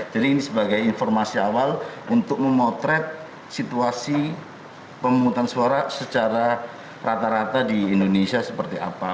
jadi ini sebagai informasi awal untuk memotret situasi pemungutan suara secara rata rata di indonesia seperti apa